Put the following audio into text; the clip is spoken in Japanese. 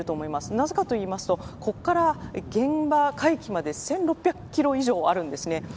なぜかというとここから現場海域まで１６００キロ以上あるんです。